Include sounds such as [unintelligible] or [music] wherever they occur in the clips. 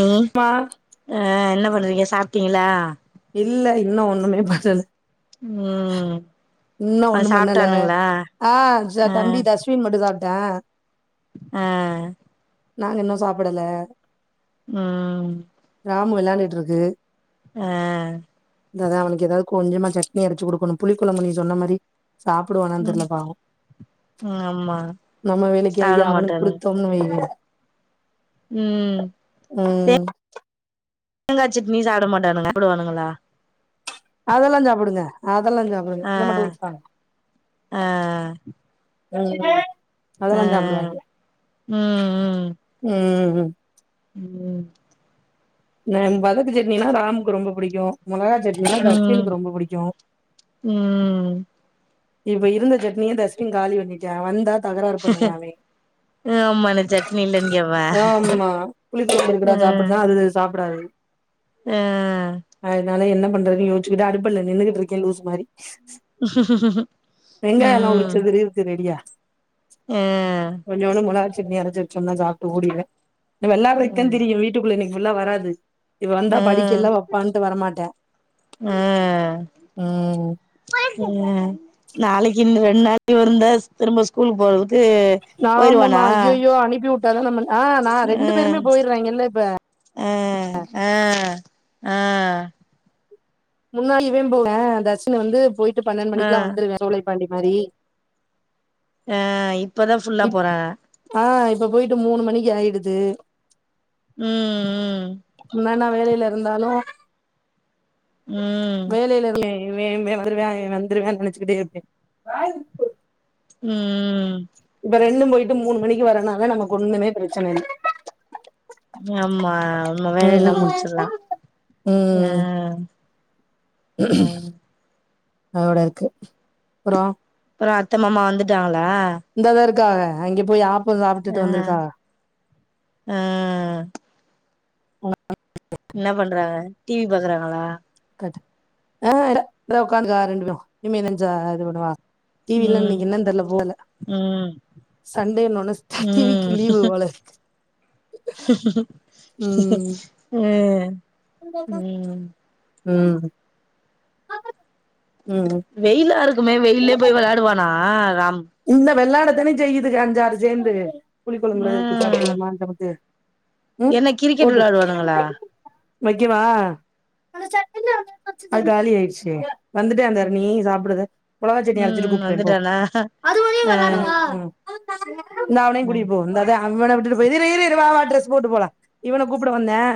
ம் மா அ என்ன பண்றீங்க சாப்ட்டீங்ளா இல்ல இன்னு ஒண்ணுமே பண்ணல ம் இன்னு ஆ ஒண்ணும் பண்ணல சாப்ட்டானுங்களா ஆ ஆ தம்பி தஷ் மீன் மட்டு சாப்ட அ நாங்க இன்னு சாப்டல ம் ராமு வெளாண்டுட்ருக்கு அ அதா அவனுக்கு ஏதாவ்து கொஞ்சமா சட்னி அரச்சு குடுக்குணு புளி கொழம்பு நீ சொன்ன மாரி சாப்டுவானான் ம் தெர்ல பாவோ ம் ஆமா நம்ம சாப்ட வேலைக்காகி அவனுக்கு மாட்டானுங்க குடுத்தோம்னு வை ம் ம் தேங்கா சட்னி சாப்டமாட்டானுக ப்டுவானுங்களா அதெல்லா சாப்புடுங்க அதெல்லா ஜாவ் ஆ ஆ உம் அதெல்லா சாப்புடுவாய்ங்க உம் உம் ம் ம் நான் வதக்கு சட்னினா ராமுக்கு ரொம்ப புடிக்கும் மொளகா சட் இன ம் தஷ்வினுக்கு ரொம்ப புடிக்யு ம் இப்ப இருந்த சட்னிய தஸ்வின் காலி பண்ணிட்டா வந்தா தகராறு பண்ணுவான் அலே ஆமா எனக்கு சட்னி இல்லன்னு கேப்பே ஆமா புளி கொழம்பு இருக்குடா சாப்புட்ரா அதுஸ் சாப்டாது அ அதுனால என்ன பண்றதுனு யோச்சுட்டு அடுப்பட்ல்ல நின்னுக்குட்ருக்கே லூஸ் மாரி ம் வெங்காய் எல்லா உரிச்சது இருக்கு ரெடியா யே கொஞ்சோனு மொளாச் சட்னி அரச் வச்சோம்னா சாப்ட்டு ஓடிர்வே ந வெல்லாறைக்கன் ஆமா தெரியு வீட்டுக்குள்ள என்னக்கு ஃபுல்லா வராது இவ வந்தா படிக்கல்ல ஆ வப்பான்ட்டு வரமாட்டே ம் அஹ்ன் நாளைக்கு இன்னு ரெண்டு நாளைக்கு இல் இருந்தா திரும்ப ஸ்கூலுக்கு போறதுக்கு போயிருவானா நாமமா ஐயோயோ அனுப்பி விட்டாதா நம்மல் ஆ நா அ ரெண்டு பேருமே போய்ர்றாங்கில்ல ப அ அ ஆ முன்னாடி இவெ போவா தஸ்வின வந்து போய்ட்டு பன்னெண்டு அ மணிக்குலா வந்துருவே சோலைப்பாண்டி மாரி ஆ இப்பதா ஃபுல்லா இப் போறா ஆ இப்ப போய்ட்டு மூணு மணிக்கு ஆய்டுது ம் ம் என்னான்னா வேலைய்ல இருந்தாலு ம் வேலைய்ல இர்லே இவே இவ்வே வதுருவே இ வந்துருவேன் நெனச்சுக்கிட்டே இருப்பே ம்ம்ம் இப்ப ரெண்டு போய்ட்டு மூணு மணிக்கி வரனு அதா நமக்கு ஒண்ணுமே ப்ரச்சனை இல் யம்மா நம்ம வேலைலா ம் முடிச்சிர்லா ஆ ம் அதோட இர்க்கு ப்புறோ ப்புறோ அத்த மாமா வந்துட்டாங்ளா இந்தா தா இருக்காஹ அங்கே போய் ஆப் ஆ அ என்ன பண்றாங்க டிவி பாக்குறாங்களா கட் ஆ ட ங்கதா உக்காண்துகார் ரெண்டு பேரு இம்மேனஞ்சாது பண்ணுவா டிவில ம் இன்னிக் என்னன் தெர்ல போல ம் சண்டேனோனஸ் ட டிவிக்கி லீவு வோலே ம் அ உம் ம் ம் உ வெயிலா இருக்குமே வெயில்லயே போயி வெளாடுவானா ராம் இந்த வெளாடத்தானே செய்யுதுக அஞ்சாறு சேந்து ம் ம் என்ன கிரிக்கெட் போட்டு வெளாடுவானுங்களா வக்கவா வந்துட்டே அந்தாரு நீ சாப்பிடுத மொளகாச் சட்னி அரைச்சிட்டு கூப்புட்றேன் போ ஆஹ ம் ம் இந்தா அவனையும் ம் கூட்டிட்டுப் போ வந்தாதேன் அவனை விட்டுட்டு போயிதே இரு இரு வா வா ட்ரெஸ் போட்டு போலாம் இவனை கூப்புட வந்தேன்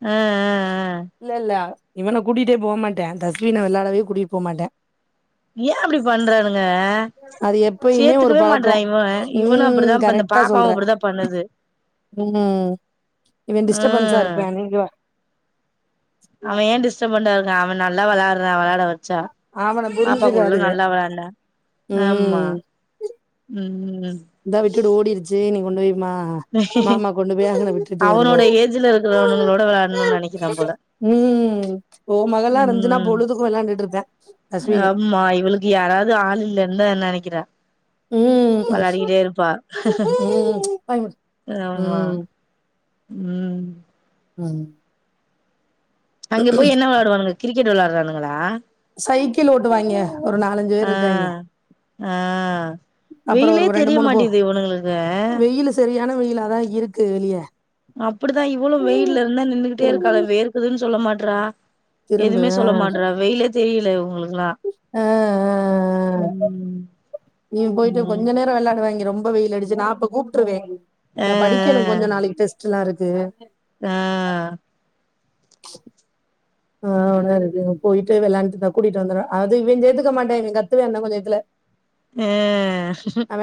அ இல்லல்ல இவன கூடிட்டே போ மாட்டா தஸ்வீன விளாடவே கூட்டிட் போ மாட்டா ஏ அப்டி பண்றானுங்க அது எப்பயுமே ஒரு சேத்துகவே மாட்றா பழக்கம் இவன இவனு ம் அப்படிதா இந்த கரெக்டா சொல்ற பாப்பாவு அப்படிதா பண்ணுது ம் இவே டிஸ்டபன்ஸா ம் இருப்பா நீங்க அவயே டிஸ்டபண்டா இருக்கா அவன் நல்லா விளாட்றா விளாட விடு ச்சா அவன பாப்பா கூள்ள புரிஞ்சுக்காதுக நல்லா விளாண்டா ஆமா ம் ம் இந்தா விட்டுட்டு ஓடிருச்சே நீ கொண்டு போய் மா மாமா கொண்டு அவனோட ஏஜ்ல இருக்கிறவனுங்களோட விளாடணுனு நினைக்கிறா போல ம் ஓமகள்லா இருந்துசுனா ம் பொழுதுக்கு‌ விளாண்ட்டு இருப்பா அஸ்வினு மா இவளுக் யாராவது ஆள் இல்லன்னுதா நெனைக்கிறா ம் விளாடிகிட்டே இருப்பா ம் வாயமூடு ஆமா ம் ம் அங்க போய் என்ன விளாடுவானுங்க கிரிகெட் விளாறானுங்களா சைகிள் ஓட்டுவாய்ங்க ஒரு நாலஞ்சு பேர் ஆ இருக்காய்ங்க ஆ அப்புறோ வெயிலே ஒரு தெரிய மாட்து இவனுங்களுக்கு செரியான வெய்லாதா இருக்கு வெளிய அப்டித்தா இவளு வெயில இருந்தா நின்னுகிட்டே திரும்பு இருக்காள வேர்குதுனு சொல்ல மாட்றா திரும்பு எதுவுமே சொல்ல மாட்றா வெயிலே தெரியல இவங்களுக்குல்லா ஆ ஆ ம் நீ போய்ட்டு ம் கொஞ்சோ நேர விளாடுவாய்ங்க ரொம்ப வெயில் அடிச்சு நா அப்ப கூப்ட்ருவே ஆ நா படி க்குனு கொஞ்சோ நாளைக்கு டெஸ்ட்லா இருக்கு ஆ ஆ ம்ச் ஆ ஓ நாருக்கு போயிட்டு விளாண்ட்டு கூட்டிட்டு வந்துருவே அது இவே சேத்துக்க மாட்ட இவ கத்வா இன்னு கொஞ்சோ நேத்துல ஆ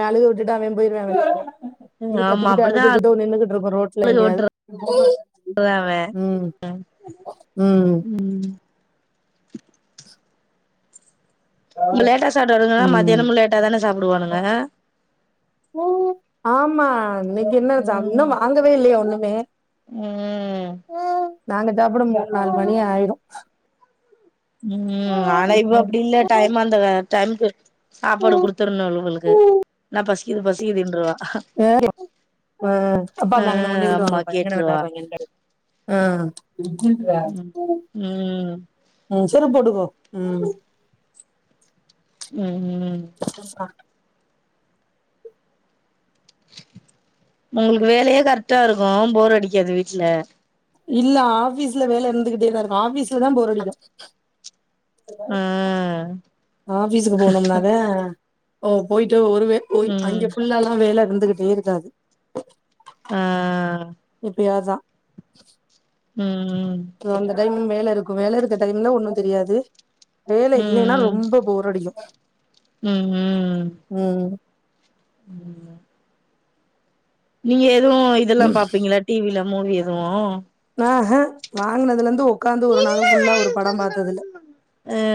அழுக விட்டுட்டு அவே போயிருவா இது ஆமா கத்திகிட்டு அப்டிதா அழுதுகிட்டு அழுக நின்னுகிட்டு இருக்கு ரோட்ல விட்டுறா எங்கயாவுது அவ ம் ம் ம் இப்ப லேட்டா சாப்டாங்கன்னா மதியானமு லேட்டா தான சாப்டுவானுங்க ம் ஆமா இன்னக்கி என்ன ஜாமா இன்னோ ம் வாங்கவே இல்லயே ஒன்னுமே ம் நாங்க சாப்ட மூணு நாலு மணி ஆய்று ம் ஆனா இவ அப்டி இல்ல டைமா அந்த டைம்க்கு சாப்பாடு குடுத்தர்ணு இவல்களுக்கு இல்லனா பசிக்குது பசிக்குதுன்ருவா சேரி ஆமா கேட்ருவா அ ஆ ம் ம் ம் ம் [unintelligible] ஒங்களுக்கு வேலயே கரெக்டா இருக்கு போர் அடிகாது வீட்ல இல்ல ஆபீஸ்ல வேல இருந்துகிட்டேதா இருக்கு ஆபீஸ்ல தா போரடிக்கு ஆ ஆபீஸுக்கு போனம்னாத ஓ போயிட்டு ஒரு வேய் போய் ம் அங்க ஃபுல்லால வேல இருந்துகிட்டே இருக்காது அ எப்பயாதா ம் ம் அந்த டைம் வேல இருக்கு வேல இருக்க டைம்ல ஒன்னு தெரியாது வேல இல்லேனா ம் ரெம்ப போர் அடிக்கு ம் ம் ம் ம் நீங்க எதூ இதல்லா பாப்பீங்களா டி வில மூவி எதூ ஆஹ வாங்குனதுல இருந்து உக்காந்து ஒரு நாளு ஃபுல்லா ஒரு படம் பாத்ததில்ல ஆ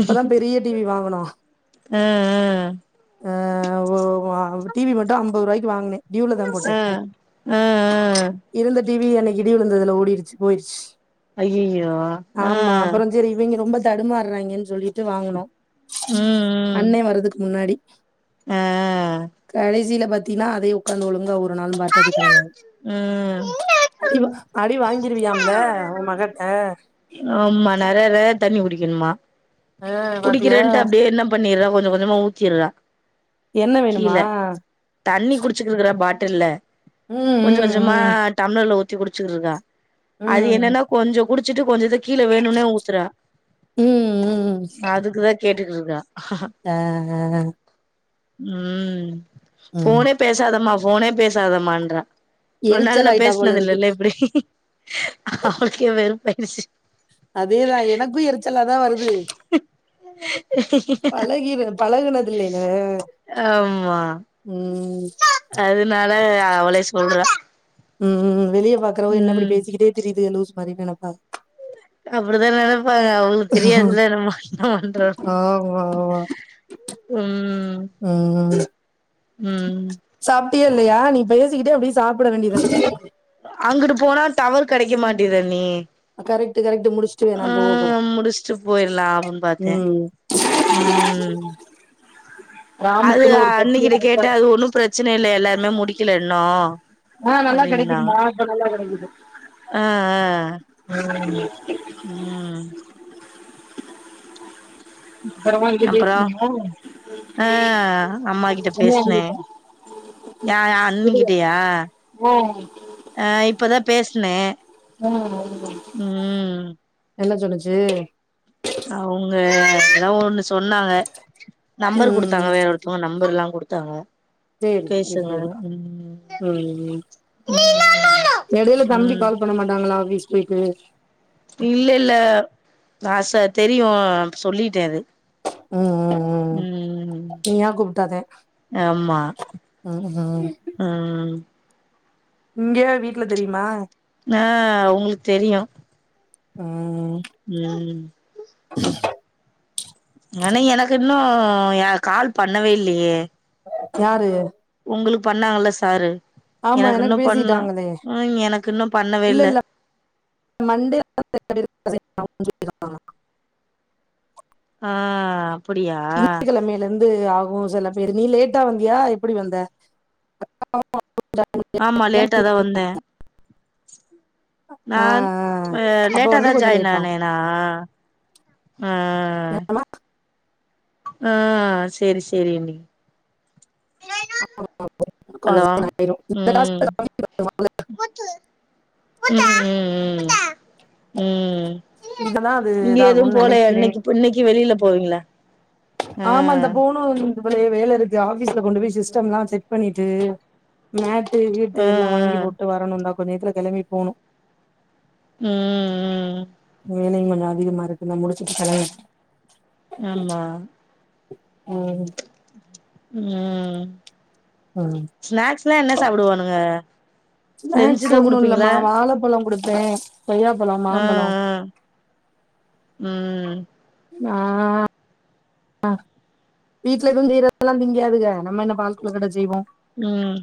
இப்பதா பெரிய டிவி வாங்குனோ ஆ ஆ ஆ ஒ வ டி வி மட்டு ஐம்பது ரூவாய்க்கு வாங்னே டியூல தா போட்டே ஆ இருந்த டி வி அன்னைக்கி இடி வுலுந்ததுல ஓடிருச்சு போய்ருச்சு அய்யயோ ஆ சரி இவய்ங்க ரொம்ப தடுமாற்றாய்கன் சொல்லிட்டு வாங்குனோ ம் ம் அண்ணே வர்றதுக்கு முன்னாடி ஆ கடேசீல பாத்தீன்னா அதே உக்காந்து ஒழுங்கா ஒரு நாளு பாத்தது கெடையாது ம் அடி அடி வாங்கீருவியாம்ல உ மகட்ட ஆமா நெறையவே தண்ணி குடிக்கணுமா ஆ பாத்தியா குடிக்கிறேன்ட்டு அப்டியே என்ன பண்ணீற்றா கொஞ்ச கொஞ்சமா ஊத்தீற்றா என்ன வேணுமா தண்ணி குடிச்சுக்குகுறா பாட்டில்ல ம் கொஞ்ச கொஞ்சமா ம் டம்ளர்ல ஊத்தி குடிச்சுட்ருக்கா அது ம் என்னனா கொஞ்ச குடுச்சுட்டு கொஞ்சத கீழே வேணுனே ஊத்துறா ம் ம் ம் நா அதுக்குதா கேட்டுக்கிட்ருக்கே ஆ ஆ ம் ம் போனே பேசாதமா போனே பேசாதமான்றா இவ்ளோ நாள் எரிச்சல் நா ஆயிட்டா போல இருக்கு பேஸ்னதில்லேல இப்டி அவளுக்கே வெறுப்பாயிறுச்சு அதேதா எனக்கு எருச்சலாதா வருது பழகீறு பழகுனதில்லேல ம் அதுனால அவளே சொல்றா ம்ம்ம் வெளிய பாக்குறவக என்ன அப்டி ம் பேசிக்கிட்டே திரியுது லூஸ் மாரி நெனைப்பாங் அப்டிதா நெனப்பாக அவகளுக்கு தெரியாதுல நம்ம என்ன பண்றோனு ஓ ம் ம் ம் சாப்டியா இல்லையா நீ பேசிக்கிட்டே அப்டியே சாப்ட வேண்டியதான அங்குட்டு போனா டவர் கெடைக்க மாட்டிக்குது அண்ணி கரெக்ட்டு கரெக்ட்டு முடிஸ் ம் அ முடிஸ்ட்டு போயிரலா அப்டின்னு பாத்தே ம் அது கிராமத்துல ஒரு சட்னி அன்னிக்கிட்ட கேட்ட அது அரச்சாச்சு ஒண்ணு பிரச்சனை இல்ல எல்லார்மே முடிக்கல இன்னு ஆ நல்லா கெடைக்குது மா இப்ப நல்லா கெடைக்குது அ அ ம் ம் அப்பறமா இங்க அப்ரோ பேசுனமா அ அம்மா கிட்ட பேஸ்னே யா ஏ அன்னிகிட்டயா ஆ அ இப்பதா பேஸ்னே ம் என்ன சொன்னுச்சு அவுங்க எதா ஒண்ணு சொன்னாங்க நம்பரு ம் குடுத்தாங்க வேற ஒருத்தங்க நம்பர்லா குடுத்தாங்க சேரி சேரி பேசுங்க சேரி ம் ம்ம் எடைல தம்பி ம் கால் பண்ண மாட்டாங்களா ஆபீஸ் போய்ட்டு இல்ல இல்ல நா ச தெரியு சொல்லிட்டே அது ம் ம் ம் ம் நீயா கூப்ட்டாதே ஆமா ம் ம் ம் இங்க வீட்டுல தெரிமா ஆ அவுங்ளுக்கு தெரியு ம் ம் ஆனா எனக்கு இன்னு கால் பண்ணவே இல்லையே யாரு உங்களுக் பண்ணாங்கல்ல சாரு ஆமா எனக்கு இன்னு பண்ணல பேசிட்டாங்களே ம் எனக்கு இன்னு பண்ணவே இல்ல மண்டே [unintelligible] ஆ அப்படியா திங்கெழமைல இருந்து ஆகு சில பேரு நீ லேட்டா வந்தியா எப்டி வந்த ஆமா லேட்டாதா வந்தே ஆ நான் ஆ அப்ப வந்து லேட்டாாதா கொஞ்சோ ஜாயின் லேட் ஆகு ஆனேனா ஆ ஆ சேரி சேரி அண்ணி ஹலோ ஆயிரு இந்த ம் டாஸ்க் ம் ம் ம் ம் இதெல்லா அது இங்க எதும் இதாகும்னு போலயா நெனைக்கிறே இன்னைக்கு இப்ப இன்னைக்கு வெளில போவீங்கள ஆமா இந்த போனு ஆமா வந் இவளே வேலருக்கு ஆபீஸ்ல கொண்டு போய் சிஸ்டம்லா செக் பண்ணிட்டு மேட் ட்டு ஹீட்ரு ஆ எல்லா வாங்கி ஆ போட்டு வரணுந்தா கொஞ்சோ இதுல கெளம்பி போணு ம் ம் வேலையு கொஞ்சோ அதிகமா இருக்கு நா முடிச்சிட்டு கெளம்ப ஆமா ம் ம் ம் ஸ்நக்ஸ்ல்லா என்ன சாப்டுவானுங்க ஸ்நக்ஸ் செஞ்சுதா ஒன்னு குடுப்பீங்களா இல்லம்மா வாழப்பழோ குடுப்பே கொய்யாப்பழோ ஆ ஆ மாம்பழோ ம் நா ஆ வீட்ல எதுவு செய்றதெல்லா திங்காதுக நம்ம என்ன பால் கொழகட்ட செய்வோ ம்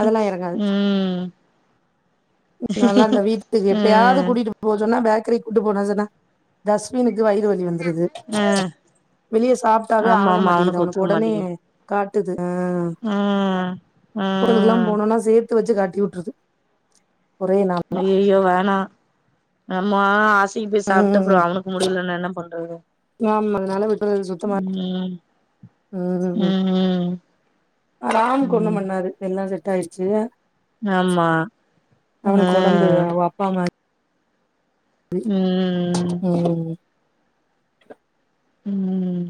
அதெல்லா எறங்காது ம் நல்லா இந்த வீட்டுக்கு எப்பயாது ம் கூட்டிட்டு போ சொன்னா பேக்கரி கூட்டு போனா சொன்னா தஸ்வினுக்கு வயிறு வலி வந்துருது ம் வெளிய சாப்ட்டாவே ஆக மாட்டிகுது அவனுக்கு ஒடனே காட்டுது அ ஆ ஆ ஒன்னொன்னா சேத்து வச்சி காட்டி உட்ருது ஐய்யய்யோ வேணா நம்ம ஆஸ் டு போய் சாப்ட்டு அப்றோ ம் அவனுக்கு முடியலன்னா என்ன பண்றது ஆமா அதனால விட்றது சுத்தமா ம் ம் ராம்க்கு ஒண்ணு ம் பண்ணாது எல்லா செட் ஆய்ருச்சி ஆமா அ ஆமா ம் ம் ம்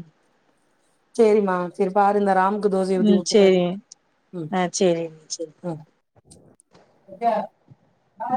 சேரிம்மா சேரிப்பாரு இந்த ராமுக்கு தோசய ஊத்தி ம் குடுத்துட்டு சேரி வந் ம் ஆ சேரி சேரிப்பா ம் ம்